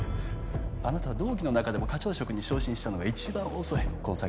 あなたは同期の中でも課長職に昇進したのが一番遅いこの先